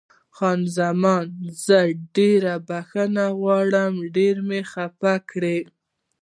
خان زمان: زه ډېره بښنه غواړم، ډېر مې خفه کړې.